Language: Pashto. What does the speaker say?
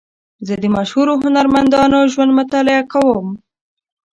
زه د مشهورو هنرمندانو ژوند مطالعه کوم.